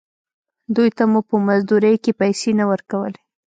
دوې ته مو په مزدورۍ کښې پيسې نه ورکولې.